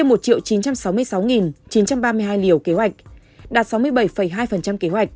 kế hoạch đạt sáu mươi bảy hai kế hoạch